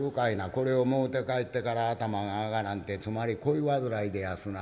「これをもろうて帰ってから頭が上がらんてつまり恋煩いでやすな」。